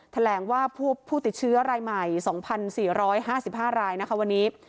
แถลงว่าผู้ติดเชื้อรายใหม่๒๔๕๕รายนะคะวันนี้